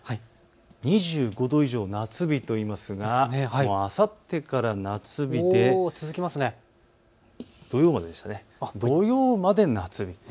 ２５度以上を夏日といいますがあさってから夏日で土曜まで夏日。